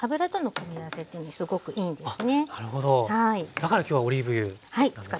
だから今日はオリーブ油なんですね。